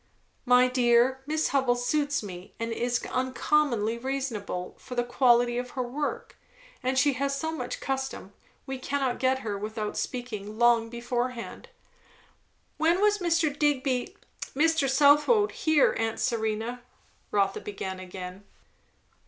"My dear, Miss Hubbell suits me, and is uncommonly reasonable, for the quality of her work; and she has so much custom, we cannot get her without speaking long beforehand." "Why don't you speak, then?" "When was Mr. Digby Mr. Southwode here, aunt Serena?" Rotha began again.